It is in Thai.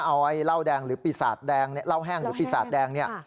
เอาไอ้เหล้าแห้งหรือปีศาจแดงเนี่ย